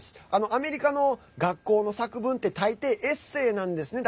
アメリカの学校の作文って大抵、エッセーなんですね。